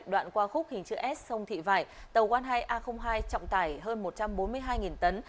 đoạn qua khúc hình chữ s sông thị vải tàu van hai a hai trọng tải hơn một trăm bốn mươi hai tấn